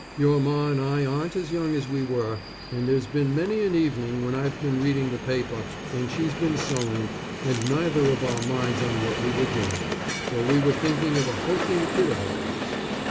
Your Ma and I aren't as young as we were, and there's been many an evening when I've been reading the paper, and she's been sewing, and neither of our minds on what we were doing, for we were thinking of a hulking kid of ours.